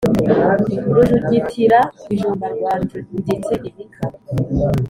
Rujugitira-bijumba rwa njunditse ibika,